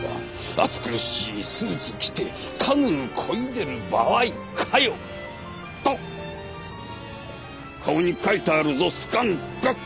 暑苦しいスーツ着てカヌーこいでる場合かよと顔に書いてあるぞスカンク。